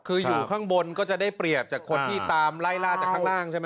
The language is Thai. คืออยู่ข้างบนก็จะได้เปรียบจากคนที่ตามไล่ล่าจากข้างล่างใช่ไหม